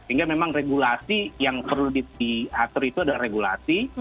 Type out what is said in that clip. sehingga memang regulasi yang perlu diatur itu adalah regulasi